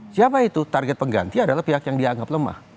siapa itu target pengganti adalah pihak yang dianggap lemah